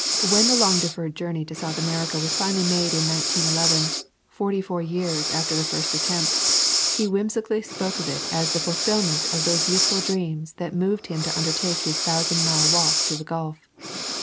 When the long de ferred journey to South America was finally made in 1911, forty four years after the first attempt, he whimsically spoke of it as the ful fillment of those youthful dreams that moved him to undertake his thousand mile walk to the Gulf.